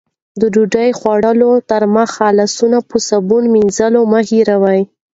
د ډوډۍ خوړلو تر مخه لاسونه په صابون مینځل مه هېروئ.